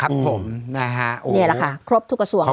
ครับผมเนี่ยแหละคะครบทุกกระทรวงแล้ว